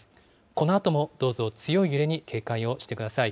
このあともどうぞ、強い揺れに警戒をしてください。